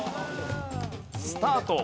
スタート。